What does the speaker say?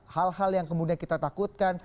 hal hal yang kemudian kita takutkan